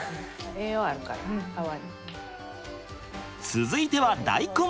続いては大根！